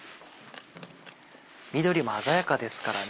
緑も鮮やかですからね。